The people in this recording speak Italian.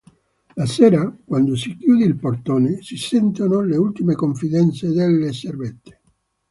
La sera, quando si chiude il portone, si sentono le ultime confidenze delle servette.